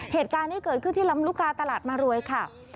เหตุการณ์นี้เกิดขึ้นที่ลำลูกกาตลาดมารวยค่ะ